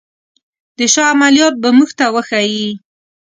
د شاه عملیات به موږ ته وښيي.